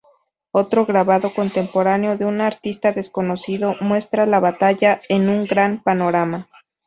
Otro grabado contemporáneo de un artista desconocido muestra la batalla en un gran panorama.